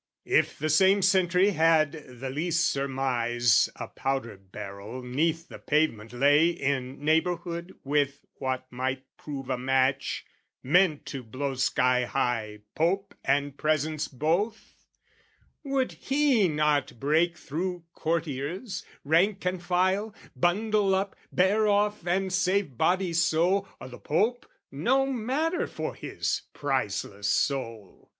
If the same sentry had the least surmise A powder barrel 'neath the pavement lay In neighbourhood with what might prove a match, Meant to blow sky high Pope and presence both Would he not break through courtiers, rank and file, Bundle up, bear off and save body so, O' the Pope, no matter for his priceless soul?